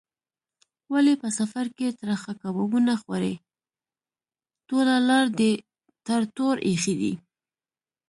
ولې په سفر کې ترخه کبابونه خورې؟ ټوله لار دې ټر ټور ایښی دی.